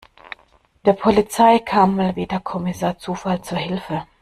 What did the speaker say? Der Polizei kam mal wieder Kommissar Zufall zur Hilfe.